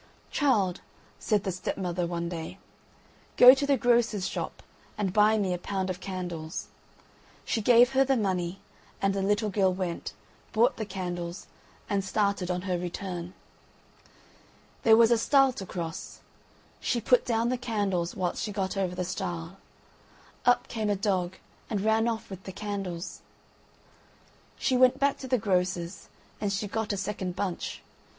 "Child," said the stepmother one day, "go to the grocer's shop and buy me a pound of candles." She gave her the money; and the little girl went, bought the candles, and started on her return. There was a stile to cross. She put down the candles whilst she got over the stile. Up came a dog and ran off with the candles. She went back to the grocer's, and she got a second bunch.